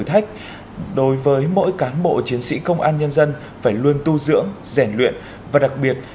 thách đối với mỗi cán bộ chiến sĩ công an nhân dân phải luôn tu dưỡng rèn luyện và đặc biệt